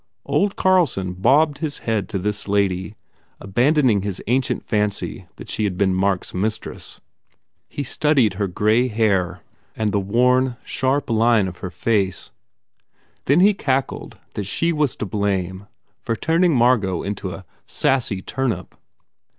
Old Carlson bobbed his head to this lady, aban doning his ancient fancy that she had been Mark s mistress. He studied her grey hair and the worn, 175 THE FAIR REWARDS sharp line of her face. Then he cackled that she was to blame for turning Margot into a "sassy turnip."